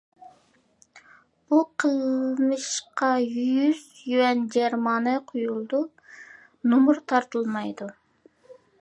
بۇ قىلمىشقا يۈز يۈەن جەرىمانە قويۇلىدۇ، نومۇر تارتىلمايدۇ.